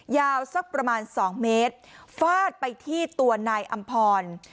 ยาวสักประมาณ๒เมตรฟาดไปที่ตัวนายอำพร